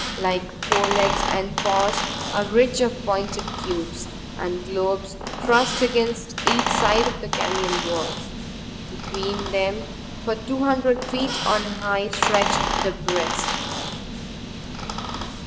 Like forelegs and paws, a ridge of pointed cubes, and globes thrust against each side of the canyon walls. Between them for two hundred feet on high stretched the breast.